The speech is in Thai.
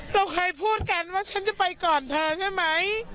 เราเคยพูดกันว่าฉันจะไปก่อนเธอใช่ไหม